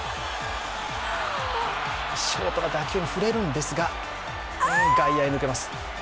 ショートが打球に触れるんですが、外野へ抜けます。